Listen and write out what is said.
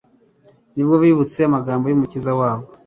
ni bwo bibutse amagambo y'Umukiza wabo,